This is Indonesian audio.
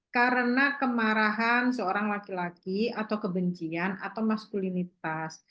karena kemarahan seorang laki laki atau kebencian atau maskulinitas